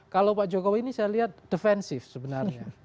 kalau pak jokowi ini saya lihat defensif sebenarnya